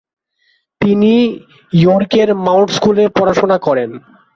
তিনি ইয়র্কের মাউন্ট স্কুলে পড়াশোনা করেন।